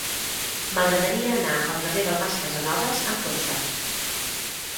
M'agradaria anar al carrer del Mas Casanovas amb cotxe.